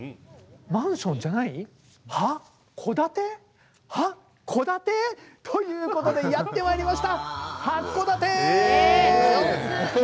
マンションじゃない？は、戸建て？は、こだて？ということでやってまいりました！